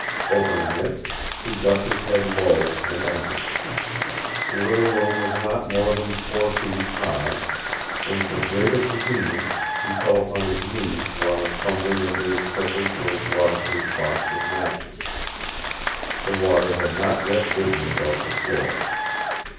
Opening it, he ducked his head low and entered. The little room was not more than four feet high, and for greater convenience he fell upon his knees while fumbling under his slicker for his water proof box of matches. The water had not yet risen above the floor.